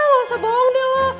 allah lo seboong dulu